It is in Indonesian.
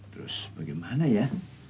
terus bagaimana ya